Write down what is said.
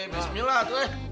bismillah tuh eh